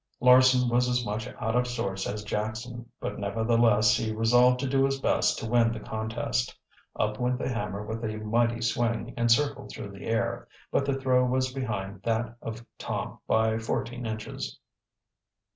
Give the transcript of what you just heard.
Larson was as much out of sorts as Jackson, but nevertheless he resolved to do his best to win the contest. Up went the hammer with a mighty swing and circled through the air. But the throw was behind that of Tom by fourteen inches.